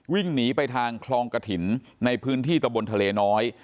วิ่งหนีไปทางคลองกระถิ่นในพื้นที่ตะบนทะเลน้อย